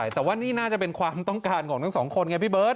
แต่ว่านี่น่าจะเป็นความต้องการของทั้งสองคนไงพี่เบิร์